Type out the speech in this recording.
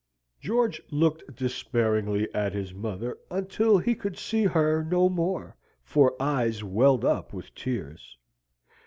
George looked despairingly at his mother until he could see her no more for eyes welled up with tears.